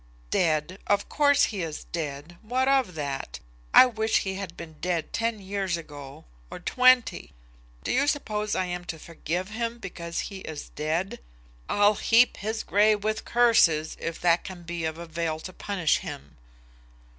"Dead; of course he is dead. What of that? I wish he had been dead ten years ago, or twenty. Do you suppose I am to forgive him because he is dead? I'll heap his grave with curses, if that can be of avail to punish him."